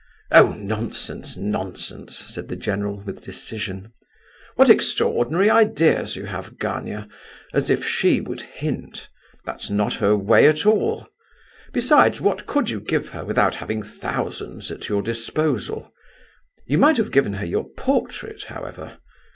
"Oh, nonsense, nonsense," said the general, with decision. "What extraordinary ideas you have, Gania! As if she would hint; that's not her way at all. Besides, what could you give her, without having thousands at your disposal? You might have given her your portrait, however.